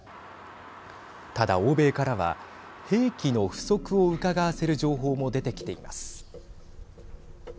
ただ、欧米からは兵器の不足をうかがわせる情報も出てきています。